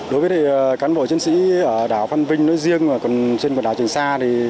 đối với cán bộ chiến sĩ ở đảo phan vinh nơi riêng trên quần đảo trường sa